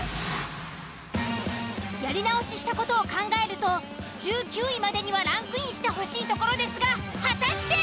やり直しした事を考えると１９位までにはランクインしてほしいところですが果たして！？